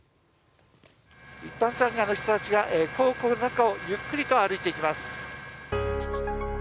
一般参賀の人たちが皇居の中をゆっくりと歩いていきます。